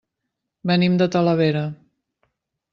Venim de Talavera.